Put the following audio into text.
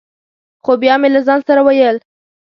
خو بیا مې له ځان سره ویل: